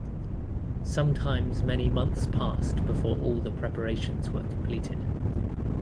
Sometimes many months passed before all the preparations were completed.